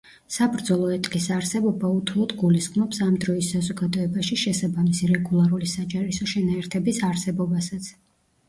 საბრძოლო ეტლის არსებობა უთუოდ გულისხმობს ამ დროის საზოგადოებაში შესაბამისი რეგულარული საჯარისო შენაერთების არსებობასაც.